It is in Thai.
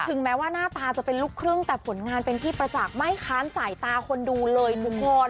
ถึงแม้ว่าหน้าตาจะเป็นลูกครึ่งแต่ผลงานเป็นที่ประจักษ์ไม่ค้านสายตาคนดูเลยทุกคน